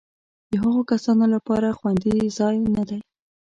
د هغو کسانو لپاره خوندي ځای نه دی.